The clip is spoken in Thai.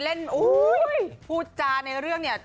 เล่นอู้ยยยยยยยยยยยพูดจ่านในเรื่องเนี่ย